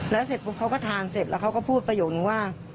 แล้วเสร็จปุ๊บเขาก็ทานเสร็จแล้วเขาก็พูดประโยคนึงว่า